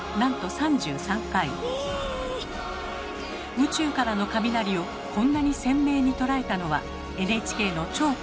宇宙からの雷をこんなに鮮明に捉えたのはＮＨＫの超高感度カメラが世界初。